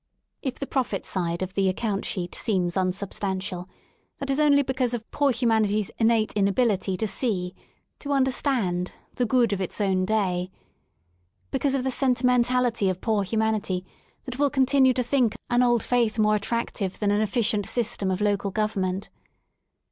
If the profit side of the account sheet seems unsubstantial, that is only because of poor humanity's innate inability to see, to understand, the good of its own day — because of the sentimentality of poor humanity that will con tinue to think an old faith more attractive than an effi cient system of local government.